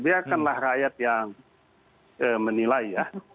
biarkanlah rakyat yang menilai ya